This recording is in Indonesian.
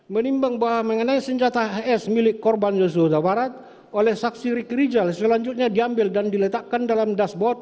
menimbang bahwa mengenai senjata hs milik korban yusua dawarat oleh saksi riki rizal selanjutnya diambil dan diletakkan dalam dasport